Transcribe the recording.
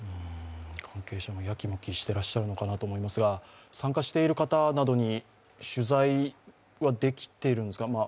関係者もやきもきしてらっしゃるのかなと思いますが参加している方などに取材はできているんですか？